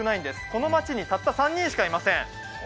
この町にたった３人しかいません。